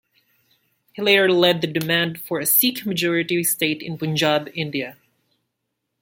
He later led their demand for a Sikh-majority state in Punjab, India.